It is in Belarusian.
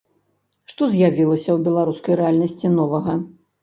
Што з'явілася ў беларускай рэальнасці новага?